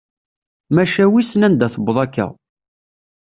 Maca wissen anda tewweḍ akka.